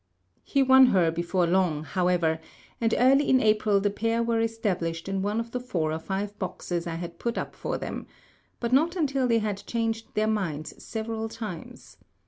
He won her before long, however, and early in April the pair were established in one of the four or five boxes I had put up for them, but not until they had changed their minds several times.